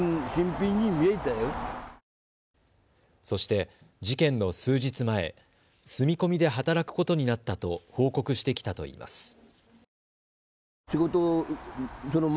そして事件の数日前、住み込みで働くことになったと報告してきたといいます。